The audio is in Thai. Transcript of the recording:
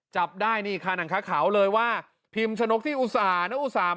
จับได้นี่ฆานังคาขาวเลยว่าพิมชนกที่อุตส่าห์